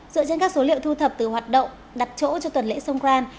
dựa trên các số liệu thu thập từ hoạt động đặt chỗ cho tuần lễ songkran